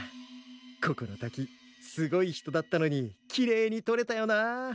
ここの滝すごい人だったのにきれいにとれたよなあ。